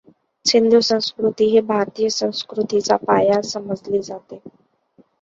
सिंधू संस्कृती ही भारतीय संस्कृतीचा पाया समजली जाते.